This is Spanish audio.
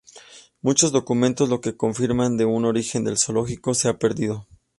Muchos documentos, lo que confirman de un origen del zoológico, se han perdido.